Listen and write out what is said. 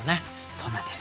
そうなんです。